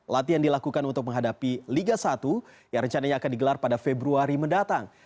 latihan dilakukan untuk menghadapi liga satu yang rencananya akan digelar pada februari mendatang